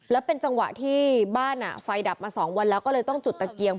แล้วเป็นจังหวะที่บ้านไฟดับมา๒วันแล้วก็เลยต้องจุดตะเกียง